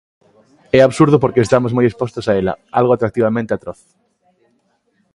É absurdo porque estamos moi expostos a ela, algo atractivamente atroz.